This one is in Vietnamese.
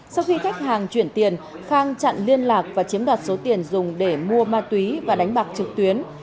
sau khi khách hàng chuyển tiền khang chặn liên lạc và chiếm đoạt số tiền dùng để mua ma túy và đánh bạc trực tuyến